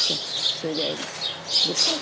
それで「うるさい！」